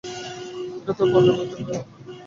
ঐটা তো পাগলের অ্যাক্ট।